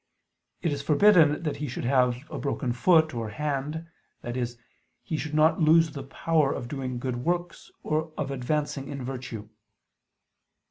It is forbidden that he should have "a broken foot" or "hand," i.e. he should not lose the power of doing good works or of advancing in virtue.